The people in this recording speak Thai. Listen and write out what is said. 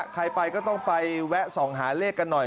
ใครไปก็ต้องไปแวะส่องหาเลขกันหน่อย